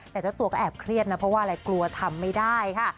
แต่เจ้าตัวก็แอบเครียดนะเพราะว่าอะไรกลัวทำไม่ได้ค่ะ